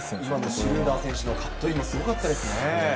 シュルーダー選手のカットインもすごかったですね。